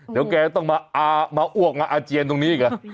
เดี๋ยวแกต้องมาอ้ออ้อออกงะอาเจียนตรงนี้ค่ะ